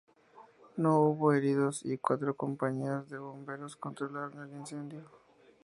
No hubo heridos y cuatro compañías de bomberos controlaron el incendio.